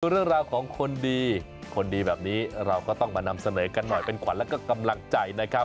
เรื่องราวของคนดีคนดีแบบนี้เราก็ต้องมานำเสนอกันหน่อยเป็นขวัญแล้วก็กำลังใจนะครับ